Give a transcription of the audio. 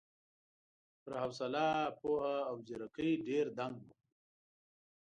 پر حوصله، پوهه او ځېرکۍ ډېر دنګ و.